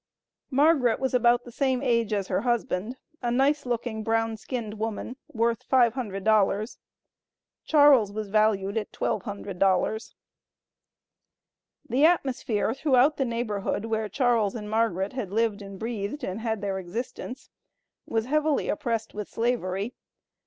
Margaret was about the same age as her husband, a nice looking brown skinned woman; worth $500. Charles was valued at $1200. The atmosphere throughout the neighborhood where Charles and Margaret had lived and breathed, and had their existence, was heavily oppressed with slavery.